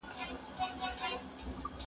زه به سبا انځور وګورم!!